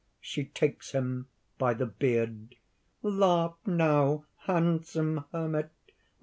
(She takes him by the beard.) "Laugh now, handsome hermit!